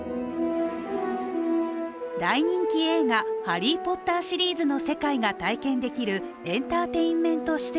大人気映画「ハリー・ポッター」シリーズの世界が体験できるエンターテインメント施設。